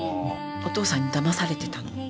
お父さんにだまされてたの。